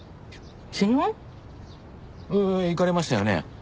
行かれましたよね？